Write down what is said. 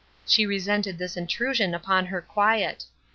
She resented this intrusion upon her quiet.